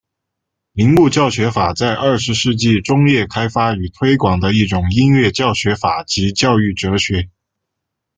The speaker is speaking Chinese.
铃木教学法在二十世纪中叶开发与推广的一种音乐教学法及教育哲学。